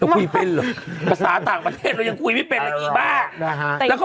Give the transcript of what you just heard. น้องคุยเป็นเหรอ